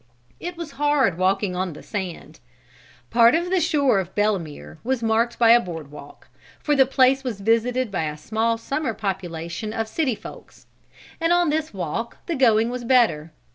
It was hard walking on the sand. Part of the shore of Belemere was marked by a board walk, for the place was visited by a small summer population of "city folks," and on this walk the going was better.